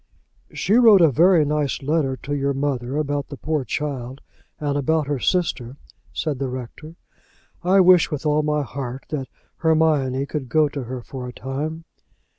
"She wrote a very nice letter to your mother about the poor child, and about her sister," said the rector. "I wish with all my heart that Hermione could go to her for a time."